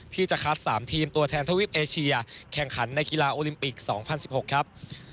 ที่จะคัด๓ทีมตัวแทนทวีปเอเชียแข่งขันในกีฬาโอลิมปิก๒๐๑๖ครับ